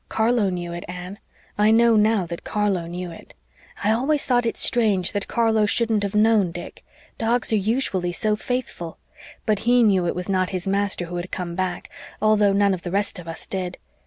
Carlo knew it, Anne I know now that Carlo knew it. I always thought it strange that Carlo shouldn't have known Dick. Dogs are usually so faithful. But HE knew it was not his master who had come back, although none of the rest of us did.